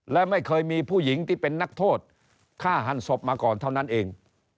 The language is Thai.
และไม่เคยมีผู้หญิงที่เป็นนักโทษฆ่าหันศพมาก่อนเท่านั้นเอง